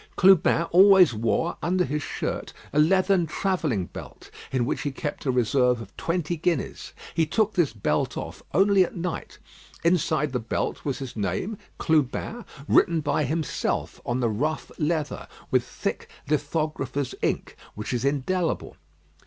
Clubin always wore, under his shirt, a leathern travelling belt, in which he kept a reserve of twenty guineas; he took this belt off only at night. Inside the belt was his name "Clubin," written by himself on the rough leather, with thick lithographer's ink, which is indelible.